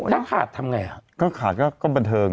ถ้าขาดทำไงอ่ะก็ขาดก็บันเทิง